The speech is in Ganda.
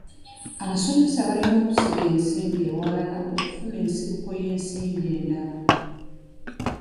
Abasomesa balina okusiga ensimbi ewalala okufuna ensibuko y'ensimbi endala.